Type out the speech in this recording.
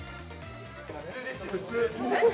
普通ですよ、普通。